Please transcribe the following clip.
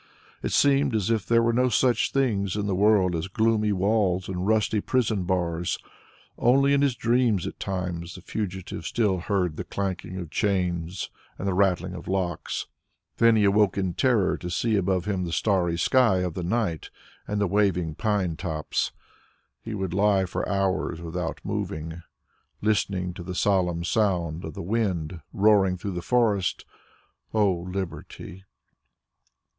It seemed as if there were no such things in the world as gloomy walls and rusty prison bars. Only in his dreams at times the fugitive still heard the clanking of chains and the rattling of locks; then he awoke in terror to see above him the starry sky of night and the waving pine tops. He would lie for hours without moving, listening to the solemn sound of the wind roaring through the forest. O Liberty!